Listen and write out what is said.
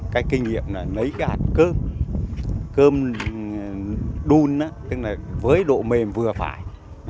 cái kinh nghiệm là lấy cái hạt cơm cơm đun tức là với độ mềm vừa phải